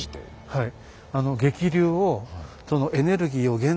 はい。